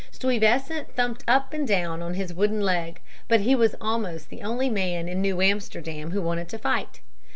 Stuyvesant thumped up and down on his wooden leg. But he was almost the only man in New Amsterdam who wanted to fight.